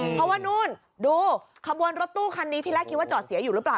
เพราะว่านู่นดูขบวนรถตู้คันนี้ที่แรกคิดว่าจอดเสียอยู่หรือเปล่า